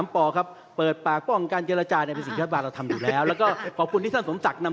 ก็ขอบคุณนะครับที่ยอมรับว่า